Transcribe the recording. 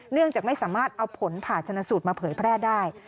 เนื่องจากไม่สามารถเอาผลผ่าชนะสูตรมาเผยแพร่ได้